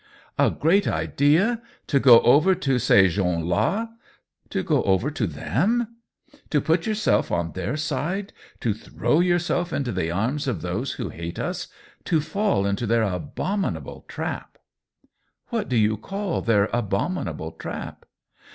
"A great idea — to go over to ces gensld^V^ " To go over to them ?" "To put yourself on their side — to throw yourself into the arms of those who hate us — ^to fall into their abominable trap !" "What do you call their abominable trap